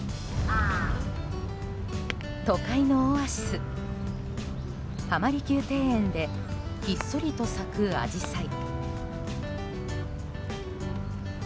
都会のオアシス、浜離宮庭園でひっそりと咲くアジサイ。